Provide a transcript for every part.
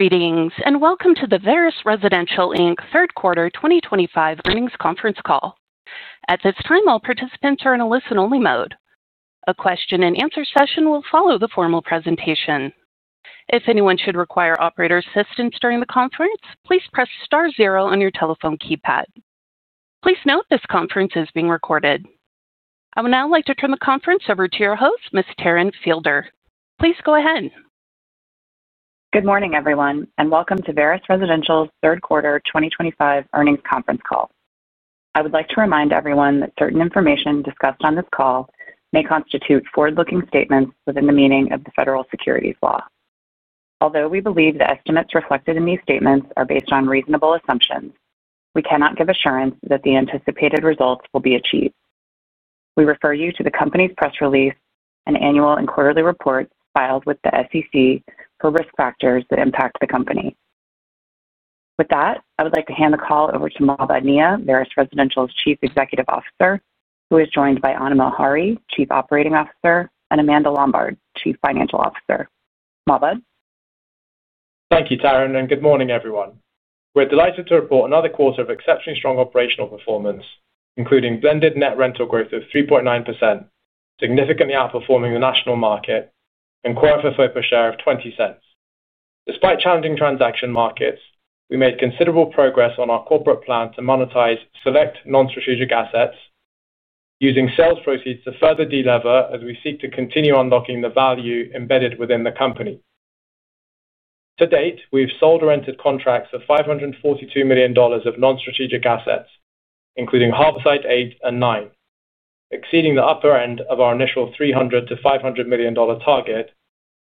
Greetings and welcome to the Veris Residential Inc. third quarter 2025 earnings conference call. At this time, all participants are in a listen-only mode. A question-and-answer session will follow the formal presentation. If anyone should require operator assistance during the conference, please press star zero on your telephone keypad. Please note this conference is being recorded. I would now like to turn the conference over to your host, Ms. Taryn Fielder. Please go ahead. Good morning everyone, and welcome to Veris Residential's third quarter 2025 earnings conference call. I would like to remind everyone that certain information discussed on this call may constitute forward-looking statements within the meaning of the federal securities law. Although we believe the estimates reflected in these statements are based on reasonable assumptions, we cannot give assurance that the anticipated results will be achieved. We refer you to the company's press release and annual and quarterly reports filed with the SEC for risk factors that impact the company. With that, I would like to hand the call over to Mahbod Nia, Veris Residential's Chief Executive Officer, who is joined by Anna Malhari, Chief Operating Officer, and Amanda Lombard, Chief Financial Officer. Mahbod? Thank you, Taryn, and good morning everyone. We're delighted to report another quarter of exceptionally strong operational performance, including blended net rental growth of 3.9%, significantly outperforming the national market, and core FFO per share of $0.20. Despite challenging transaction markets, we made considerable progress on our corporate plan to monetize select non-strategic assets, using sales proceeds to further delever as we seek to continue unlocking the value embedded within the company. To date, we've sold or entered contracts of $542 million of non-strategic assets, including Harborsight 8 and 9, exceeding the upper end of our initial $300 million-$500 million target,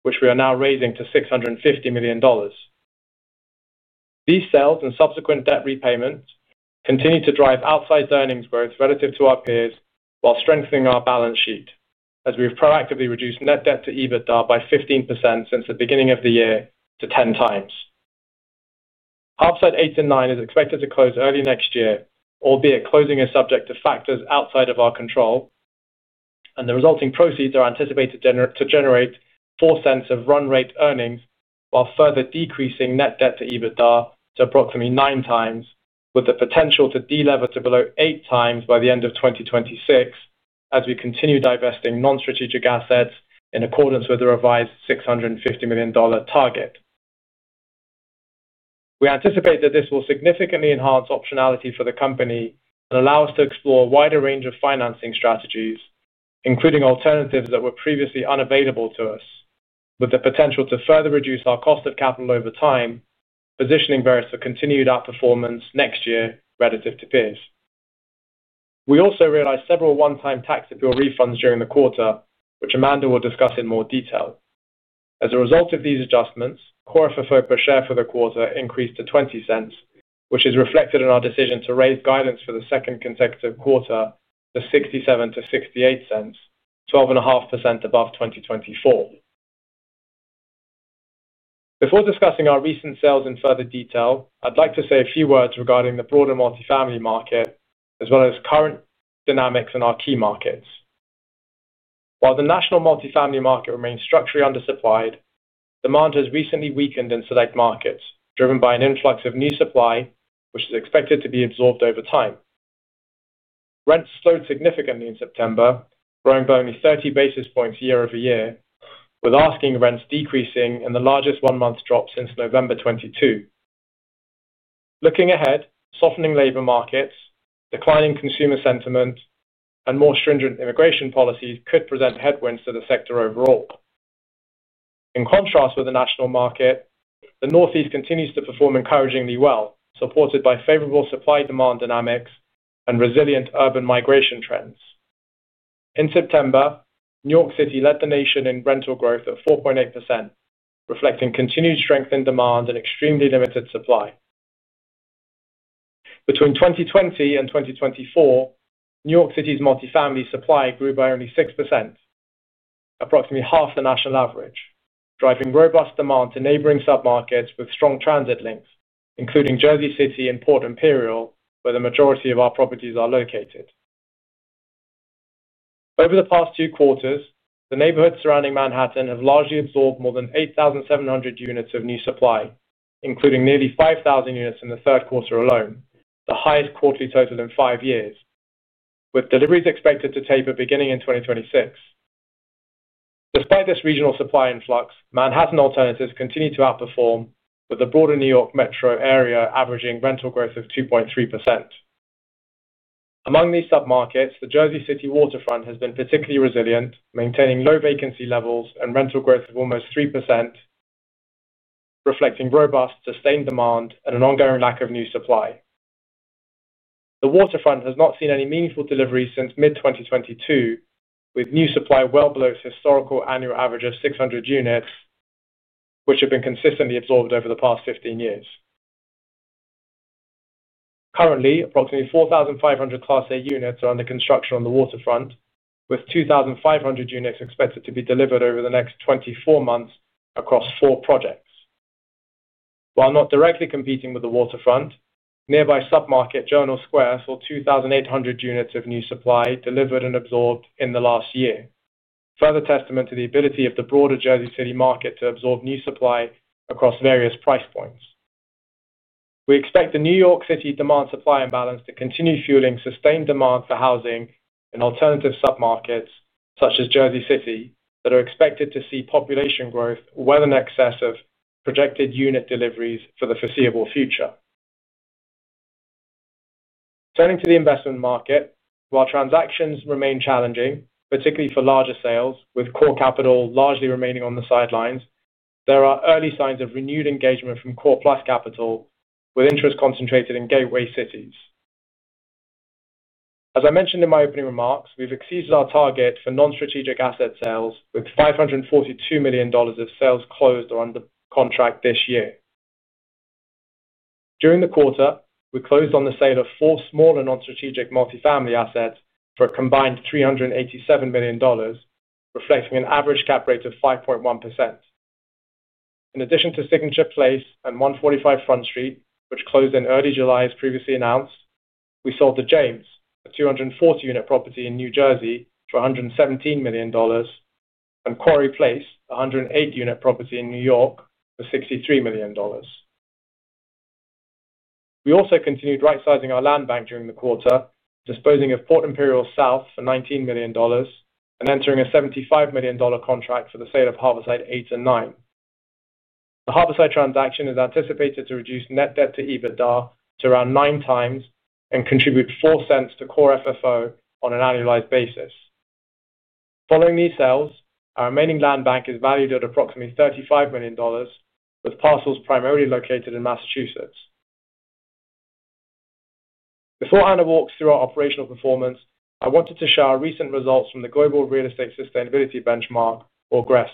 which we are now raising to $650 million. These sales and subsequent debt repayments continue to drive outsized earnings growth relative to our peers while strengthening our balance sheet, as we've proactively reduced net debt to EBITDA by 15% since the beginning of the year to 10x. Harborsight 8 and 9 is expected to close early next year, albeit closing is subject to factors outside of our control, and the resulting proceeds are anticipated to generate $0.04 of run-rate earnings while further decreasing net debt to EBITDA to approximately 9x with the potential to deliver to below 8x by the end of 2026 as we continue divesting non-strategic assets in accordance with the revised $650 million target. We anticipate that this will significantly enhance optionality for the company and allow us to explore a wider range of financing strategies, including alternatives that were previously unavailable to us, with the potential to further reduce our cost of capital over time, positioning Veris for continued outperformance next year relative to peers. We also realized several one-time tax appeal refunds during the quarter, which Amanda will discuss in more detail. As a result of these adjustments, core FFO per share for the quarter increased to $0.20, which is reflected in our decision to raise guidance for the second consecutive quarter to $0.67-$0.68, 12.5% above 2024. Before discussing our recent sales in further detail, I'd like to say a few words regarding the broader multifamily market, as well as current dynamics in our key markets. While the national multifamily market remains structurally undersupplied, demand has recently weakened in select markets, driven by an influx of new supply which is expected to be absorbed over time. Rents slowed significantly in September, growing by only 30 basis points year over year, with asking rents decreasing in the largest one-month drop since November 2022. Looking ahead, softening labor markets, declining consumer sentiment, and more stringent immigration policies could present headwinds to the sector overall. In contrast with the national market, the Northeast continues to perform encouragingly well, supported by favorable supply-demand dynamics and resilient urban migration trends. In September, New York City led the nation in rental growth at 4.8%, reflecting continued strength in demand and extremely limited supply. Between 2020 and 2024, New York City's multifamily supply grew by only 6%, approximately half the national average, driving robust demand to neighboring submarkets with strong transit links, including Jersey City and Port Imperial, where the majority of our properties are located. Over the past two quarters, the neighborhoods surrounding Manhattan have largely absorbed more than 8,700 units of new supply, including nearly 5,000 units in the third quarter alone, the highest quarterly total in five years, with deliveries expected to taper beginning in 2026. Despite this regional supply influx, Manhattan alternatives continue to outperform, with the broader New York metro area averaging rental growth of 2.3%. Among these submarkets, the Jersey City waterfront has been particularly resilient, maintaining low vacancy levels and rental growth of almost 3%, reflecting robust, sustained demand and an ongoing lack of new supply. The waterfront has not seen any meaningful deliveries since mid-2022, with new supply well below its historical annual average of 600 units, which have been consistently absorbed over the past 15 years. Currently, approximately 4,500 Class A units are under construction on the waterfront, with 2,500 units expected to be delivered over the next 24 months across four projects. While not directly competing with the waterfront, nearby submarket Journal Square saw 2,800 units of new supply delivered and absorbed in the last year, further testament to the ability of the broader Jersey City market to absorb new supply across various price points. We expect the New York City demand-supply imbalance to continue fueling sustained demand for housing in alternative submarkets such as Jersey City, that are expected to see population growth well in excess of projected unit deliveries for the foreseeable future. Turning to the investment market, while transactions remain challenging, particularly for larger sales, with Core Plus Capital largely remaining on the sidelines, there are early signs of renewed engagement from Core Plus Capital, with interest concentrated in gateway cities. As I mentioned in my opening remarks, we've exceeded our target for non-strategic asset sales, with $542 million of sales closed or under contract this year. During the quarter, we closed on the sale of four smaller non-strategic multifamily assets for a combined $387 million, reflecting an average cap rate of 5.1%. In addition to Signature Place and 145 Front Street, which closed in early July as previously announced, we sold The James, a 240-unit property in New Jersey, for $117 million, and Quarry Place, a 108-unit property in New York, for $63 million. We also continued right-sizing our land bank during the quarter, disposing of Port Imperial South for $19 million and entering a $75 million contract for the sale of Harborsight 8 and 9. The Harborsight transaction is anticipated to reduce net debt to EBITDA to around 9x and contribute $0.04 to core FFO on an annualized basis. Following these sales, our remaining land bank is valued at approximately $35 million, with parcels primarily located in Massachusetts. Before Anna walks through our operational performance, I wanted to share our recent results from the Global Real Estate Sustainability Benchmark, or GRESB.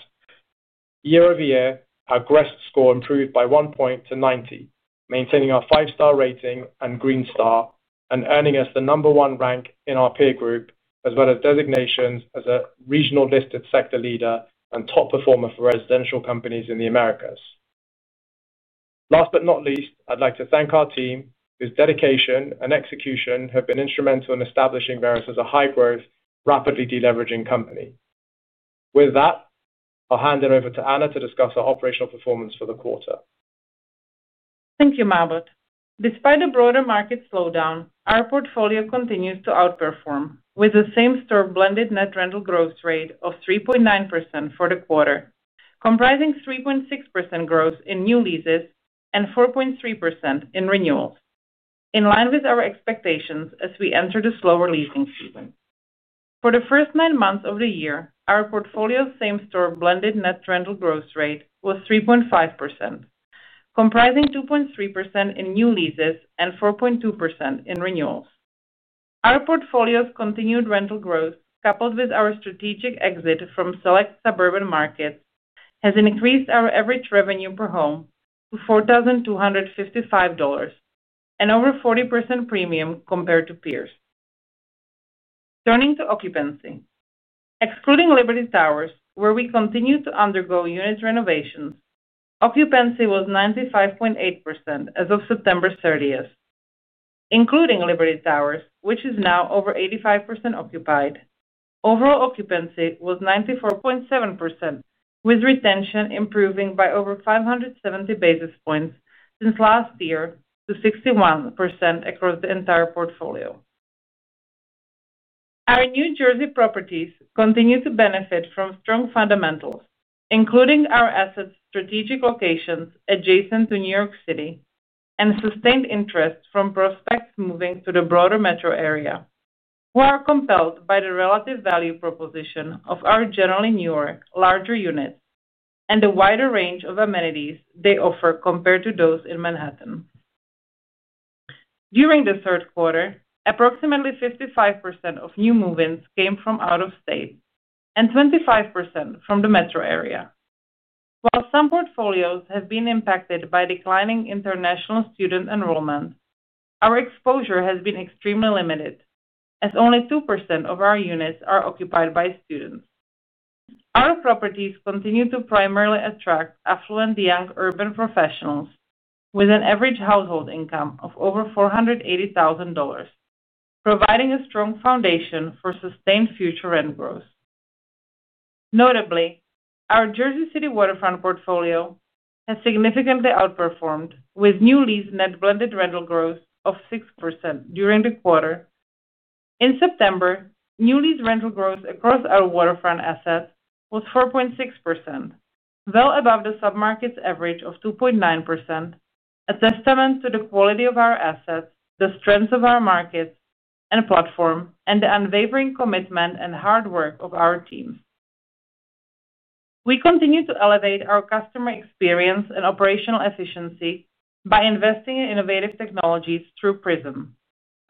Year-over-year, our GRESB score improved by one point to 90, maintaining our five-star rating and green star, and earning us the number one rank in our peer group, as well as designations as a regional listed sector leader and top performer for residential companies in the Americas. Last but not least, I'd like to thank our team, whose dedication and execution have been instrumental in establishing Veris Residential as a high-growth, rapidly deleveraging company. With that, I'll hand it over to Anna to discuss our operational performance for the quarter. Thank you, Mahbod. Despite the broader market slowdown, our portfolio continues to outperform, with the same store blended net rental growth rate of 3.9% for the quarter, comprising 3.6% growth in new leases and 4.3% in renewals, in line with our expectations as we enter the slower leasing season. For the first nine months of the year, our portfolio's same store blended net rental growth rate was 3.5%, comprising 2.3% in new leases and 4.2% in renewals. Our portfolio's continued rental growth, coupled with our strategic exit from select suburban markets, has increased our average revenue per home to $4,255 and over a 40% premium compared to peers. Turning to occupancy, excluding Liberty Towers, where we continue to undergo unit renovations, occupancy was 95.8% as of September 30. Including Liberty Towers, which is now over 85% occupied, overall occupancy was 94.7%, with retention improving by over 570 basis points since last year to 61% across the entire portfolio. Our New Jersey properties continue to benefit from strong fundamentals, including our assets' strategic locations adjacent to New York City and sustained interest from prospects moving to the broader metro area, who are compelled by the relative value proposition of our generally New York, larger units and the wider range of amenities they offer compared to those in Manhattan. During the third quarter, approximately 55% of new move-ins came from out of state and 25% from the metro area. While some portfolios have been impacted by declining international student enrollment, our exposure has been extremely limited, as only 2% of our units are occupied by students. Our properties continue to primarily attract affluent young urban professionals with an average household income of over $480,000, providing a strong foundation for sustained future rent growth. Notably, our Jersey City waterfront portfolio has significantly outperformed, with new lease net blended rental growth of 6% during the quarter. In September, new lease rental growth across our waterfront assets was 4.6%, well above the submarket's average of 2.9%, a testament to the quality of our assets, the strength of our markets and platform, and the unwavering commitment and hard work of our teams. We continue to elevate our customer experience and operational efficiency by investing in innovative technologies through PRISM,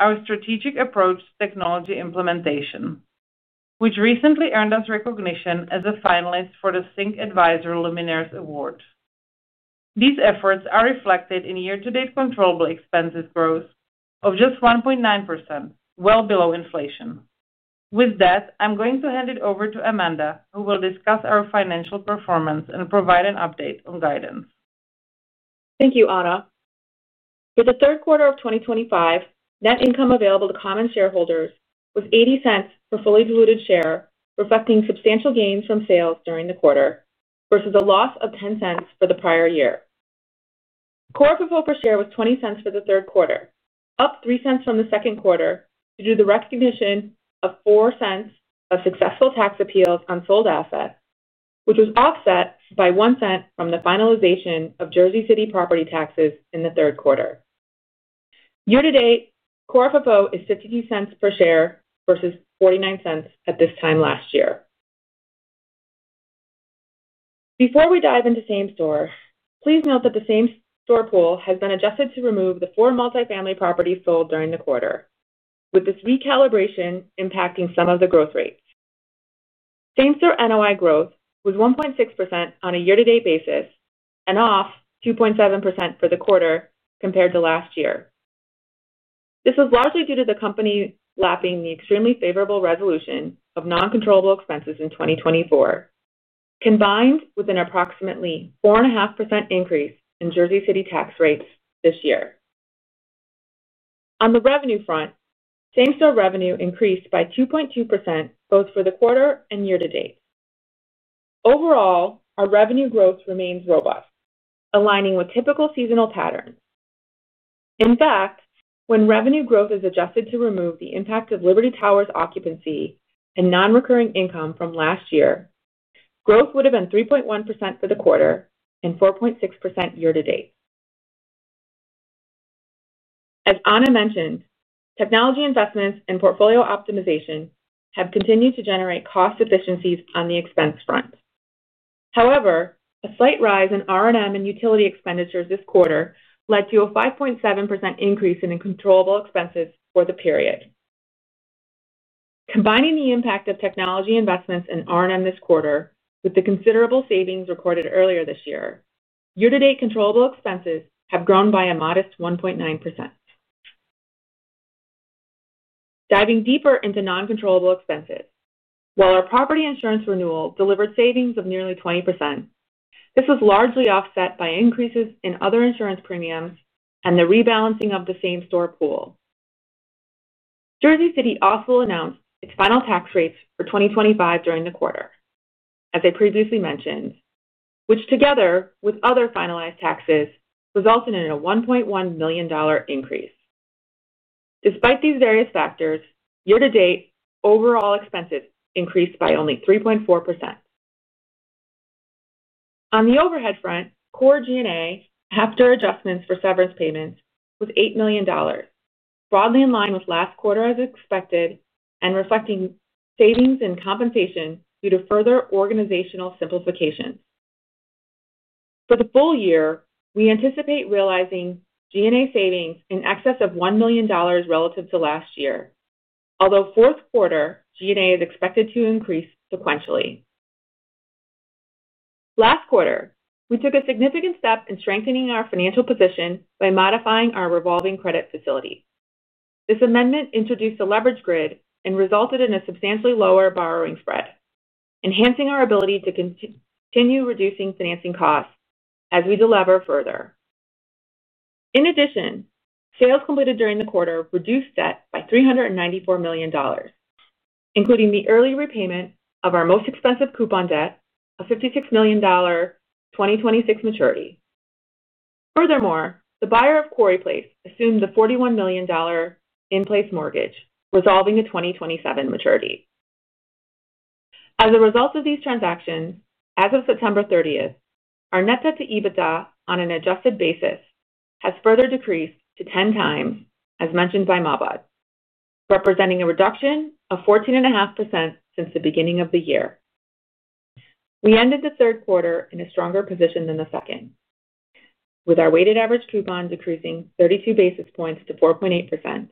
our strategic approach to technology implementation, which recently earned us recognition as the finalist for the ThinkAdvisor Luminaries Award. These efforts are reflected in year-to-date controllable expenses growth of just 1.9%, well below inflation. With that, I'm going to hand it over to Amanda, who will discuss our financial performance and provide an update on guidance. Thank you, Anna. For the third quarter of 2025, net income available to common shareholders was $0.80 per fully diluted share, reflecting substantial gains from sales during the quarter versus a loss of $0.10 for the prior year. Core FFO per share was $0.20 for the third quarter, up $0.03 from the second quarter due to the recognition of $0.04 of successful tax appeals on sold assets, which was offset by $0.01 from the finalization of Jersey City property taxes in the third quarter. Year to date, core FFO is $0.52 per share versus $0.49 at this time last year. Before we dive into same store, please note that the same store pool has been adjusted to remove the four multifamily properties sold during the quarter, with this recalibration impacting some of the growth rates. Same store NOI growth was 1.6% on a year-to-date basis and off 2.7% for the quarter compared to last year. This was largely due to the company lapping the extremely favorable resolution of non-controllable expenses in 2024, combined with an approximately 4.5% increase in Jersey City tax rates this year. On the revenue front, same store revenue increased by 2.2% both for the quarter and year to date. Overall, our revenue growth remains robust, aligning with typical seasonal patterns. In fact, when revenue growth is adjusted to remove the impact of Liberty Towers' occupancy and non-recurring income from last year, growth would have been 3.1% for the quarter and 4.6% year to date. As Anna mentioned, technology investments and portfolio optimization have continued to generate cost efficiencies on the expense front. However, a slight rise in R&M and utility expenditures this quarter led to a 5.7% increase in non-controllable expenses for the period. Combining the impact of technology investments in R&M this quarter with the considerable savings recorded earlier this year, year-to-date controllable expenses have grown by a modest 1.9%. Diving deeper into non-controllable expenses, while our property insurance renewal delivered savings of nearly 20%, this was largely offset by increases in other insurance premiums and the rebalancing of the same store pool. Jersey City also announced its final tax rates for 2025 during the quarter, as I previously mentioned, which together with other finalized taxes resulted in a $1.1 million increase. Despite these various factors, year to date, overall expenses increased by only 3.4%. On the overhead front, core G&A, after adjustments for severance payments, was $8 million, broadly in line with last quarter as expected and reflecting savings in compensation due to further organizational simplifications. For the full year, we anticipate realizing G&A savings in excess of $1 million relative to last year, although fourth quarter G&A is expected to increase sequentially. Last quarter, we took a significant step in strengthening our financial position by modifying our revolving credit facility. This amendment introduced a leverage grid and resulted in a substantially lower borrowing spread, enhancing our ability to continue reducing financing costs as we delever further. In addition, sales completed during the quarter reduced debt by $394 million, including the early repayment of our most expensive coupon debt of $56 million for 2026 maturity. Furthermore, the buyer of Quarry Place assumed the $41 million in-place mortgage, resolving a 2027 maturity. As a result of these transactions, as of September 30th, our net debt to EBITDA on an adjusted basis has further decreased to 10x, as mentioned by Mahbod, representing a reduction of 14.5% since the beginning of the year. We ended the third quarter in a stronger position than the second, with our weighted average coupon decreasing 32 basis points to 4.8%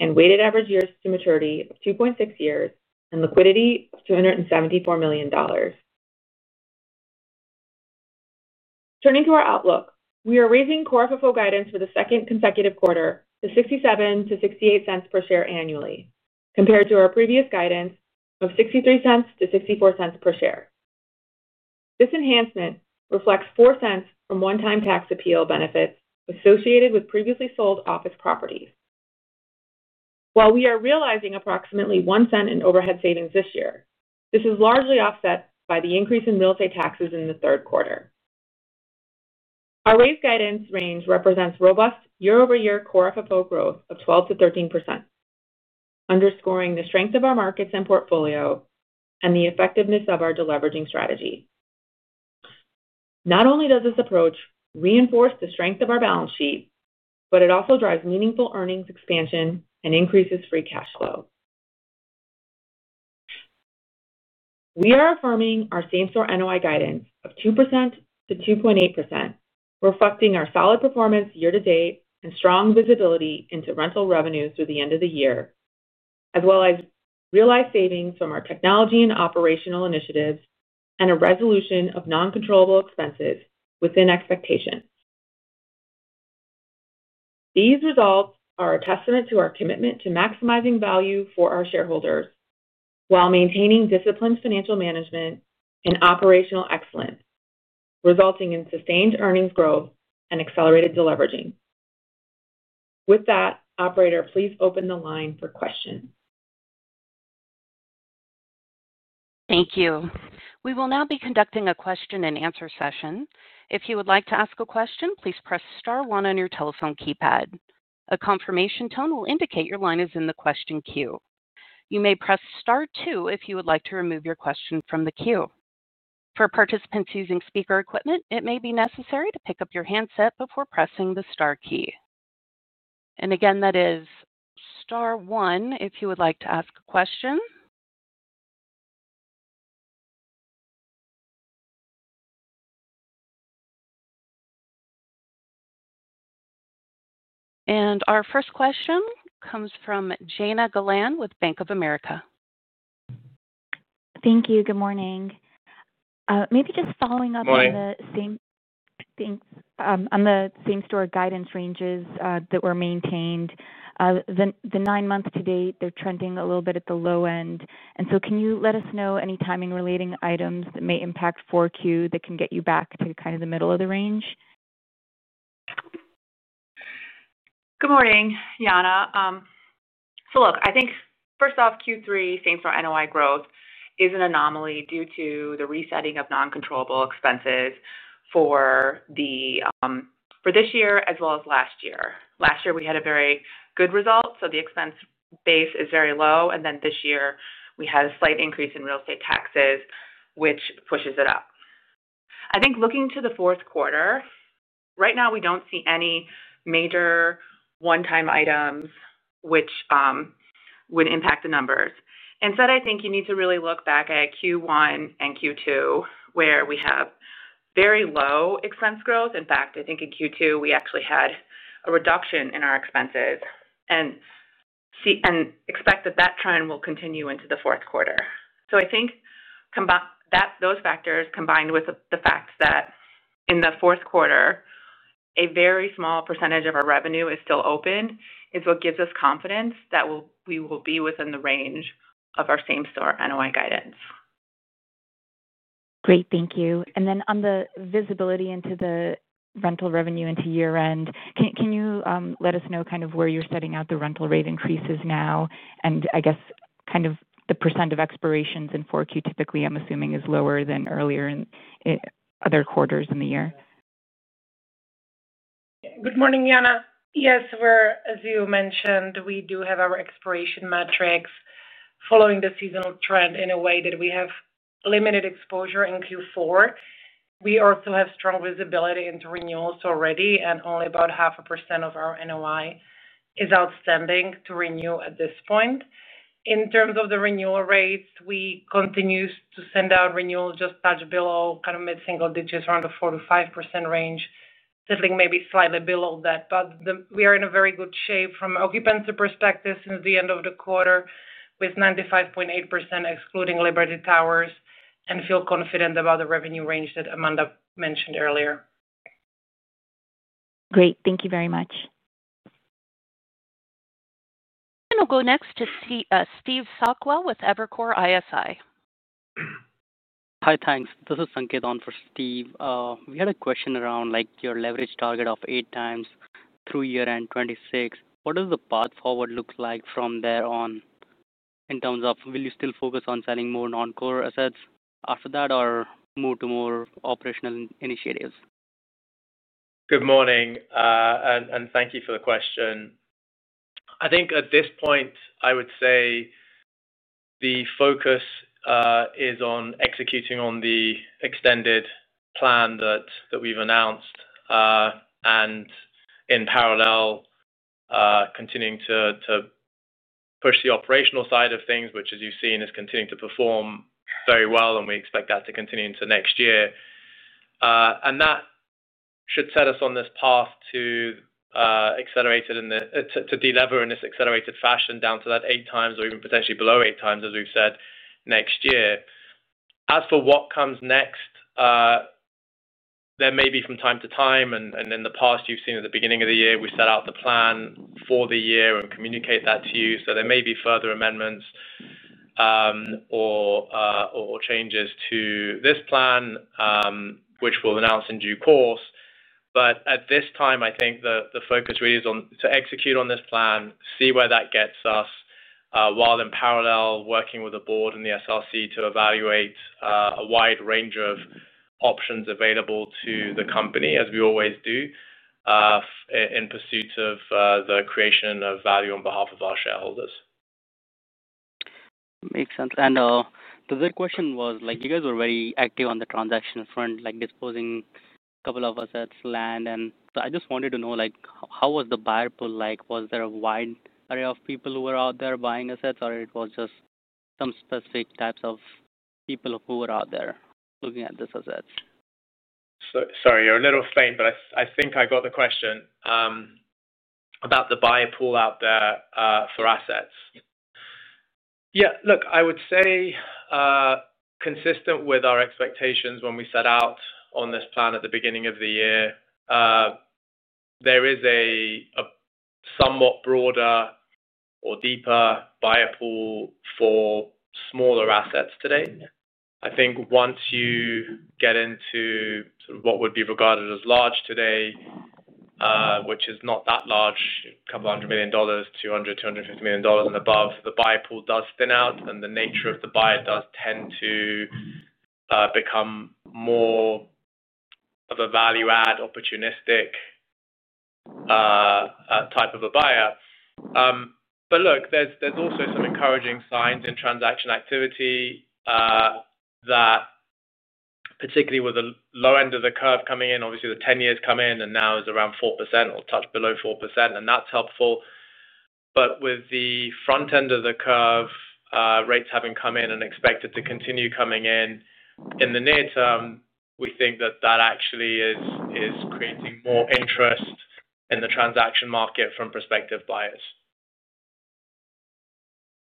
and weighted average years to maturity of 2.6 years and liquidity of $274 million. Turning to our outlook, we are raising core FFO guidance for the second consecutive quarter to $0.67-$0.68 per share annually, compared to our previous guidance of $0.63-$0.64 per share. This enhancement reflects $0.04 from one-time tax appeal benefits associated with previously sold office properties. While we are realizing approximately $0.01 in overhead savings this year, this is largely offset by the increase in real estate taxes in the third quarter. Our raised guidance range represents robust year-over-year core FFO growth of 12%-13%, underscoring the strength of our markets and portfolio and the effectiveness of our deleveraging strategy. Not only does this approach reinforce the strength of our balance sheet, it also drives meaningful earnings expansion and increases free cash flow. We are affirming our same store NOI guidance of 2%-2.8%, reflecting our solid performance year to date and strong visibility into rental revenues through the end of the year, as well as real-life savings from our technology and operational initiatives and a resolution of non-controllable expenses within expectations. These results are a testament to our commitment to maximizing value for our shareholders while maintaining disciplined financial management and operational excellence, resulting in sustained earnings growth and accelerated deleveraging. With that, operator, please open the line for questions. Thank you. We will now be conducting a question-and-answer session. If you would like to ask a question, please press star, one on your telephone keypad. A confirmation tone will indicate your line is in the question queue. You may press star, two if you would like to remove your question from the queue. For participants using speaker equipment, it may be necessary to pick up your handset before pressing the star key. That is star, one if you would like to ask a question. Our first question comes from Jana Galan with Bank of America. Thank you. Good morning. Maybe just following up on the same. Morning. Thanks. On the same store guidance ranges that were maintained, the nine months to date, they're trending a little bit at the low end. Can you let us know any timing-related items that may impact 4Q that can get you back to kind of the middle of the range? Good morning, Jana. I think first off, Q3 same store NOI growth is an anomaly due to the resetting of non-controllable expenses for this year as well as last year. Last year, we had a very good result, so the expense base is very low. This year, we had a slight increase in real estate taxes, which pushes it up. I think looking to the fourth quarter, right now we don't see any major one-time items which would impact the numbers. Instead, I think you need to really look back at Q1 and Q2, where we have very low expense growth. In fact, I think in Q2, we actually had a reduction in our expenses and expect that trend will continue into the fourth quarter. I think those factors, combined with the fact that in the fourth quarter, a very small percentage of our revenue is still open, is what gives us confidence that we will be within the range of our same store NOI guidance. Great. Thank you. On the visibility into the rental revenue into year-end, can you let us know kind of where you're setting out the rental rate increases now? I guess kind of the percent of expirations in 4Q typically, I'm assuming, is lower than earlier in other quarters in the year. Good morning, Jana. Yes, as you mentioned, we do have our expiration metrics following the seasonal trend in a way that we have limited exposure in Q4. We also have strong visibility into renewals already, and only about 0.5% of our NOI is outstanding to renew at this point. In terms of the renewal rates, we continue to send out renewals just a touch below kind of mid-single digits, around the 4%-5% range, settling maybe slightly below that. We are in very good shape from an occupancy perspective since the end of the quarter, with 95.8% excluding Liberty Towers, and feel confident about the revenue range that Amanda mentioned earlier. Great. Thank you very much. I'm going to go next to Steve Sakwa with Evercore ISI. Hi, thanks. This is Sanket on for Steve. We had a question around your leverage target of 8x through year-end 2026. What does the path forward look like from there on in terms of will you still focus on selling more non-core assets after that or move to more operational initiatives? Good morning, and thank you for the question. I think at this point, I would say the focus is on executing on the extended plan that we've announced and in parallel continuing to push the operational side of things, which, as you've seen, is continuing to perform very well. We expect that to continue into next year, and that should set us on this path to deliver in this accelerated fashion down to that 8x or even potentially below 8x, as we've said, next year. As for what comes next, there may be from time to time, and in the past, you've seen at the beginning of the year, we set out the plan for the year and communicate that to you. There may be further amendments or changes to this plan, which we'll announce in due course. At this time, I think the focus really is to execute on this plan, see where that gets us, while in parallel working with the board and the SRC to evaluate a wide range of options available to the company, as we always do, in pursuit of the creation of value on behalf of our shareholders. Makes sense. The third question was, you guys were very active on the transaction front, disposing a couple of assets, land. I just wanted to know how was the buyer pool like? Was there a wide array of people who were out there buying assets, or was it just some specific types of people who were out there looking at these assets? Sorry, you're a little faint, but I think I got the question about the buyer pool out there for assets. I would say consistent with our expectations when we set out on this plan at the beginning of the year, there is a somewhat broader or deeper buyer pool for smaller assets today. I think once you get into sort of what would be regarded as large today, which is not that large, a couple $100 million, $200 million, $250 million and above, the buyer pool does thin out, and the nature of the buyer does tend to become more of a value-add, opportunistic type of a buyer. There are also some encouraging signs in transaction activity, particularly with the low end of the curve coming in. Obviously, the 10 years come in and now is around 4% or touch below 4%, and that's helpful. With the front end of the curve rates having come in and expected to continue coming in in the near term, we think that that actually is creating more interest in the transaction market from prospective buyers.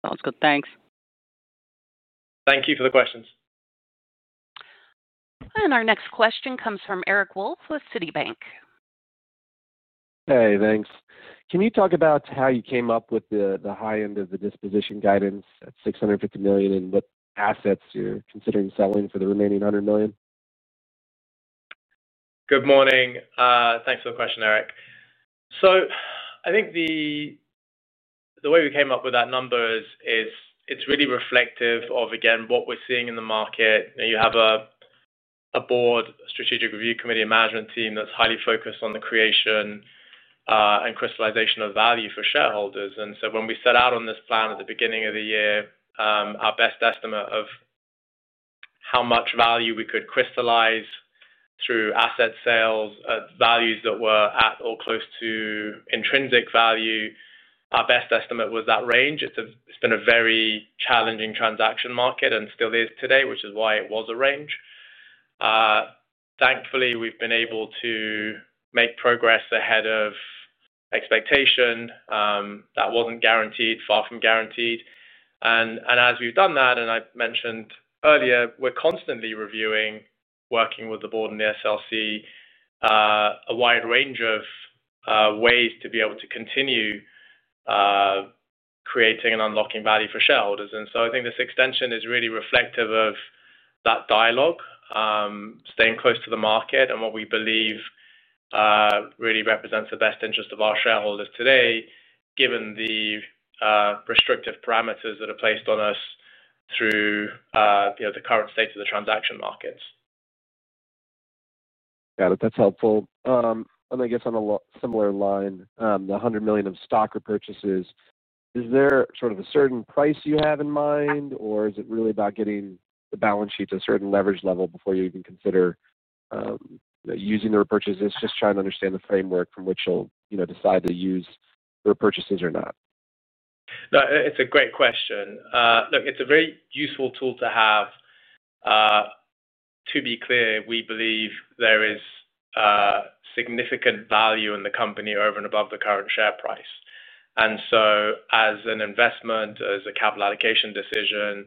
Sounds good. Thanks. Thank you for the questions. Our next question comes from Eric Wolfe with Citibank. Hey, thanks. Can you talk about how you came up with the high end of the disposition guidance at $650 million and what assets you're considering selling for the remaining $100 million? Good morning. Thanks for the question, Eric. I think the way we came up with that number is it's really reflective of, again, what we're seeing in the market. You have a Board, a Strategic Review Committee, a management team that's highly focused on the creation and crystallization of value for shareholders. When we set out on this plan at the beginning of the year, our best estimate of how much value we could crystallize through asset sales, values that were at or close to intrinsic value, our best estimate was that range. It's been a very challenging transaction market and still is today, which is why it was a range. Thankfully, we've been able to make progress ahead of expectation. That wasn't guaranteed, far from guaranteed. As we've done that, and I mentioned earlier, we're constantly reviewing, working with the Board and the SRC, a wide range of ways to be able to continue creating and unlocking value for shareholders. I think this extension is really reflective of that dialogue, staying close to the market and what we believe really represents the best interest of our shareholders today, given the restrictive parameters that are placed on us through the current state of the transaction markets. Got it. That's helpful. I guess on a similar line, the $100 million of stock repurchases, is there sort of a certain price you have in mind, or is it really about getting the balance sheet to a certain leverage level before you even consider using the repurchases? Just trying to understand the framework from which you'll decide to use the repurchases or not. No, it's a great question. Look, it's a very useful tool to have. To be clear, we believe there is significant value in the company over and above the current share price. As an investment, as a capital allocation decision,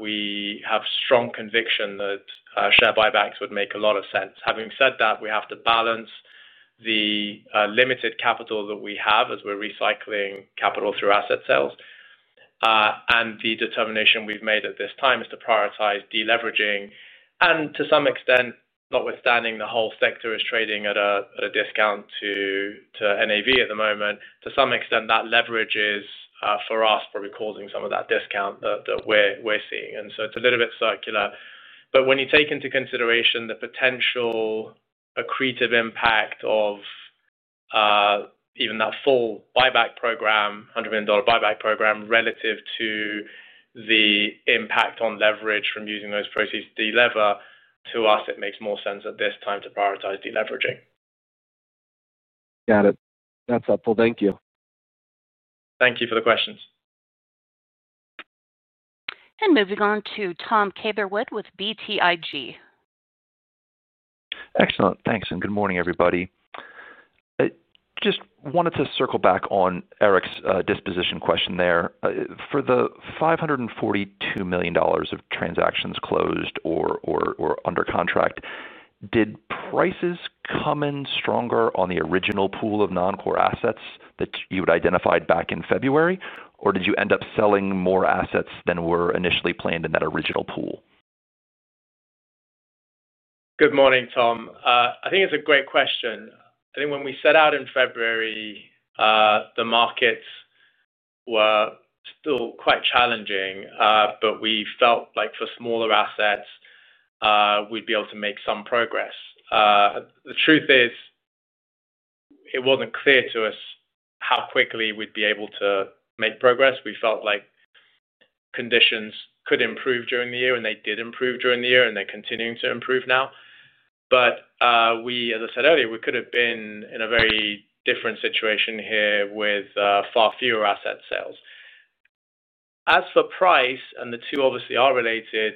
we have strong conviction that share buybacks would make a lot of sense. Having said that, we have to balance the limited capital that we have as we're recycling capital through asset sales. The determination we've made at this time is to prioritize deleveraging. Notwithstanding the whole sector is trading at a discount to NAV at the moment, to some extent, that leverage is, for us, probably causing some of that discount that we're seeing. It's a little bit circular. When you take into consideration the potential accretive impact of even that full buyback program, $100 million buyback program, relative to the impact on leverage from using those proceeds to delever, to us, it makes more sense at this time to prioritize deleveraging. Got it. That's helpful. Thank you. Thank you for the questions. Moving on to Tom Catherwood with BTIG. Excellent. Thanks. Good morning, everybody. I just wanted to circle back on Eric's disposition question. For the $542 million of transactions closed or under contract, did prices come in stronger on the original pool of non-core assets that you had identified back in February, or did you end up selling more assets than were initially planned in that original pool? Good morning, Tom. I think it's a great question. I think when we set out in February, the markets were still quite challenging, but we felt like for smaller assets, we'd be able to make some progress. The truth is it wasn't clear to us how quickly we'd be able to make progress. We felt like conditions could improve during the year, and they did improve during the year, and they're continuing to improve now. As I said earlier, we could have been in a very different situation here with far fewer asset sales. As for price, and the two obviously are related,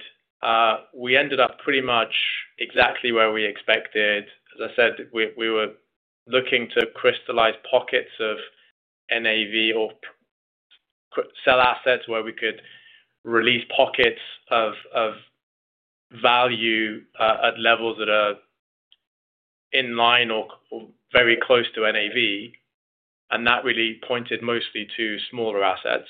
we ended up pretty much exactly where we expected. As I said, we were looking to crystallize pockets of NAV or sell assets where we could release pockets of value at levels that are in line or very close to NAV. That really pointed mostly to smaller assets.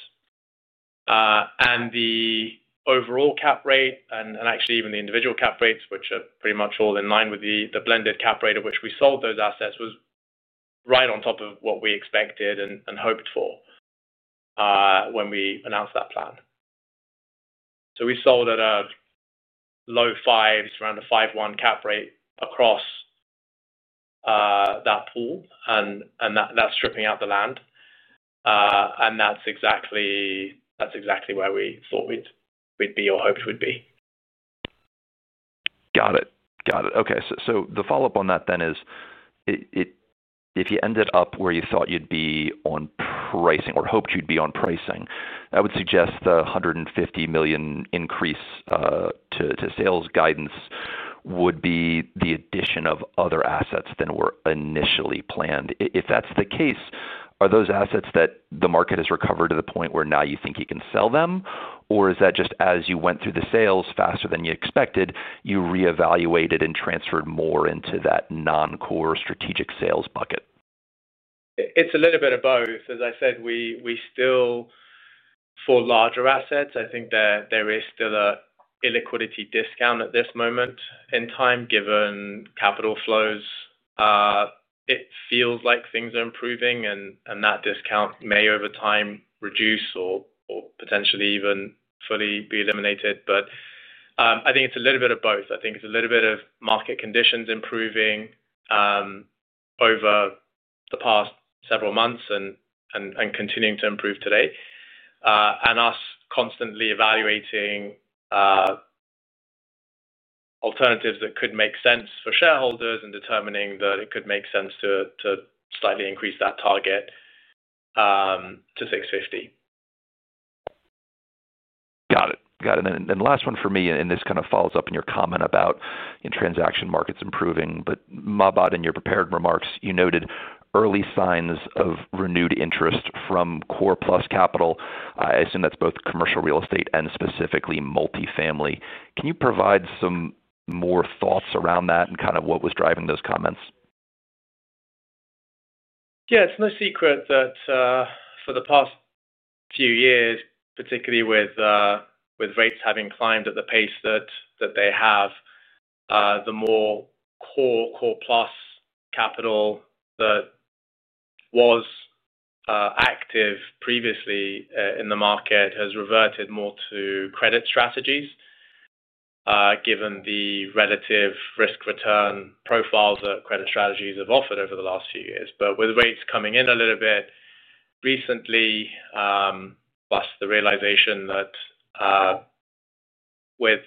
The overall cap rate and actually even the individual cap rates, which are pretty much all in line with the blended cap rate at which we sold those assets, was right on top of what we expected and hoped for when we announced that plan. We sold at a low 5%, around a 5.1% cap rate across that pool, and that's stripping out the land. That's exactly where we thought we'd be or hoped we'd be. Got it. Okay. The follow-up on that then is if you ended up where you thought you'd be on pricing or hoped you'd be on pricing, I would suggest the $150 million increase to sales guidance would be the addition of other assets than were initially planned. If that's the case, are those assets that the market has recovered to the point where now you think you can sell them, or is that just as you went through the sales faster than you expected, you reevaluated and transferred more into that non-core strategic sales bucket? It's a little bit of both. As I said, we still, for larger assets, I think there is still an illiquidity discount at this moment in time, given capital flows. It feels like things are improving, and that discount may over time reduce or potentially even fully be eliminated. I think it's a little bit of both. I think it's a little bit of market conditions improving over the past several months and continuing to improve today and us constantly evaluating alternatives that could make sense for shareholders and determining that it could make sense to slightly increase that target to $650 million. Got it. The last one for me, and this kind of follows up in your comment about transaction markets improving, but Mahbod, in your prepared remarks, you noted early signs of renewed interest from Core Plus Capital. I assume that's both commercial real estate and specifically multifamily. Can you provide some more thoughts around that and what was driving those comments? Yeah, it's no secret that for the past few years, particularly with rates having climbed at the pace that they have, the more Core Plus Capital that was active previously in the market has reverted more to credit strategies, given the relative risk return profiles that credit strategies have offered over the last few years. With rates coming in a little bit recently, plus the realization that with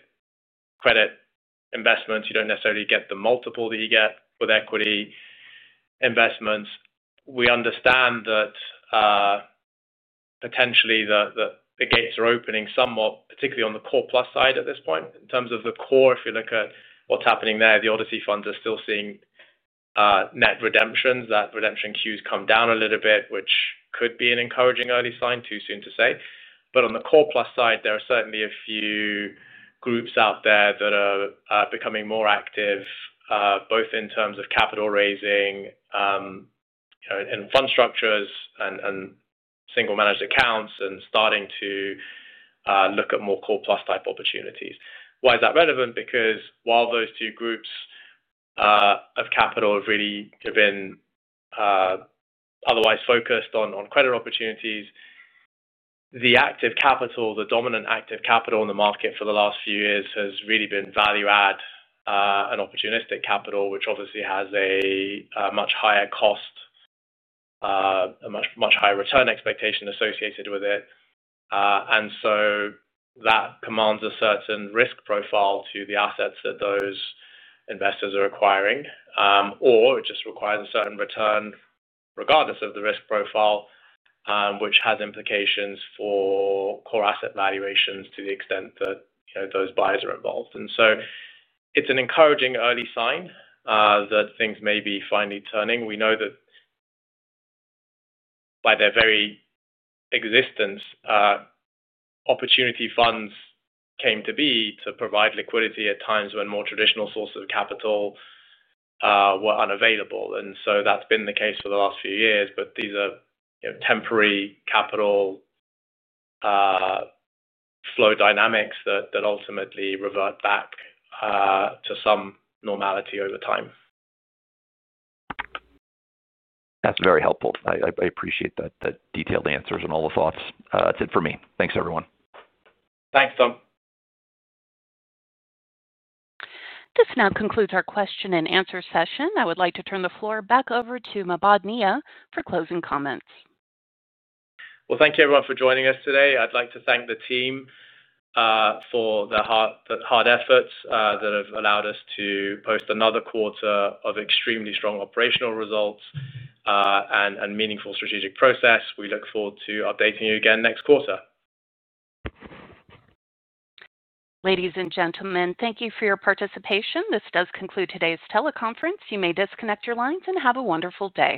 credit investments, you don't necessarily get the multiple that you get with equity investments, we understand that potentially the gates are opening somewhat, particularly on the Core Plus side at this point. In terms of the core, if you look at what's happening there, the Odyssey funds are still seeing net redemptions. That redemption queue has come down a little bit, which could be an encouraging early sign, too soon to say. On the Core Plus side, there are certainly a few groups out there that are becoming more active, both in terms of capital raising and fund structures and single managed accounts and starting to look at more Core Plus type opportunities. Why is that relevant? Because while those two groups of capital have really been otherwise focused on credit opportunities, the active capital, the dominant active capital in the market for the last few years, has really been value-add and opportunistic capital, which obviously has a much higher cost, a much higher return expectation associated with it. That commands a certain risk profile to the assets that those investors are acquiring, or it just requires a certain return, regardless of the risk profile, which has implications for core asset valuations to the extent that those buyers are involved. It's an encouraging early sign that things may be finally turning. We know that by their very existence, opportunity funds came to be to provide liquidity at times when more traditional sources of capital were unavailable. That's been the case for the last few years. These are temporary capital flow dynamics that ultimately revert back to some normality over time. That's very helpful. I appreciate the detailed answers and all the thoughts. That's it for me. Thanks, everyone. Thanks, Tom. This now concludes our question-and-answer session. I would like to turn the floor back over to Mahbod Nia for closing comments. Thank you, everyone, for joining us today. I'd like to thank the team for the hard efforts that have allowed us to post another quarter of extremely strong operational results and meaningful strategic process. We look forward to updating you again next quarter. Ladies and gentlemen, thank you for your participation. This does conclude today's teleconference. You may disconnect your lines and have a wonderful day.